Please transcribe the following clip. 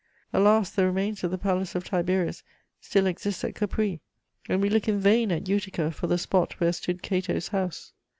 Alas, the remains of the palace of Tiberius still exist at Capri, and we look in vain at Utica for the spot where stood Cato's house!